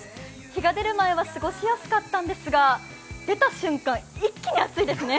日が出る前は過ごしやすかったんですが、出た瞬間、一気に暑いですね。